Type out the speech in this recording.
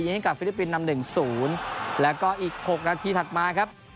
ให้กับฟิลิปปินส์นำ๑๐แล้วก็อีก๖นาทีถัดมาครับ